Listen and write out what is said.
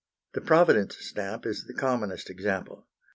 The Providence stamp is the commonest example.